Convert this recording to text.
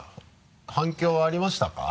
反響はありましたか？